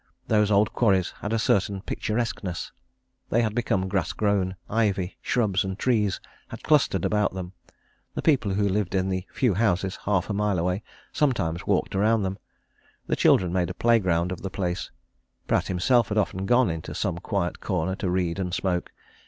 Those old quarries had a certain picturesqueness. They had become grass grown; ivy, shrubs, trees had clustered about them the people who lived in the few houses half a mile away, sometimes walked around them; the children made a playground of the place: Pratt himself had often gone into some quiet corner to read and smoke.